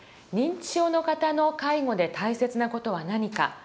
認知症の方の介護で大切な事は何か。